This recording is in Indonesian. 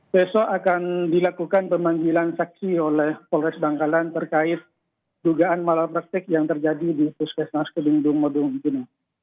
besok akan dilakukan pemanggilan saksi oleh polres bangkalan terkait dugaan malapraktik yang terjadi di puskesmas kedungdung mendung ini